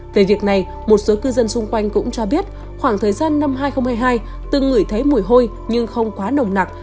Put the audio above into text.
về việc này một số cư dân xung quanh cũng cho biết khoảng thời gian năm hai nghìn hai mươi hai từng ngửi thấy mùi hôi nhưng không quá nồng nặc